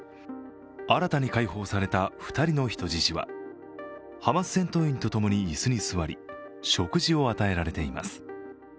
新たに解放された２人の人質はハマス戦闘員とともに椅子に座り、食事を与えられています。